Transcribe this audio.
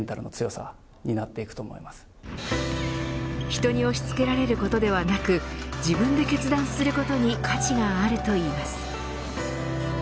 人に押し付けられることではなく自分で決断することに価値があるといいます。